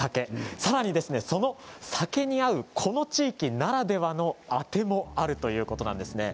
さらにですね、その酒に合うこの地域ならではのあてもあるということなんですね。